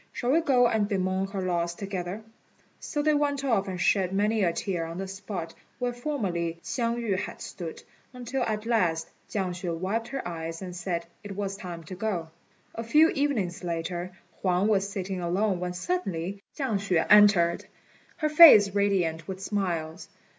Shall we go and bemoan her loss together?" So they went off and shed many a tear on the spot where formerly Hsiang yü had stood, until at last Chiang hsüeh wiped her eyes and said it was time to go. A few evenings later Huang was sitting alone when suddenly Chiang hsüeh entered, her face radiant with smiles.